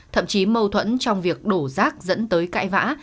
thậm chí mâu thuẫn trong việc đổ rác dẫn tới cãi vã